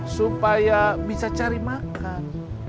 supaya bisa cari makan